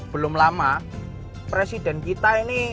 belum lama presiden kita ini